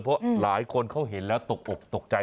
เพราะหลายคนเขาเห็นแล้วตกอกตกใจ